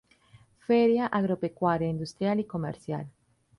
Feria Agropecuaria, Industrial y Comercial.